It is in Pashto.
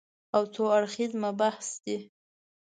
او څو اړخیز مبحث دی